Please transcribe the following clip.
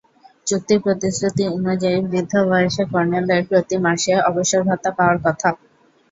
চুক্তির প্রতিশ্রুতি অনুযায়ী বৃদ্ধ বয়সে কর্নেলের প্রতি মাসে অবসরভাতা পাওয়ার কথা।